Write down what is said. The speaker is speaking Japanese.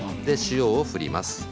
塩を振ります。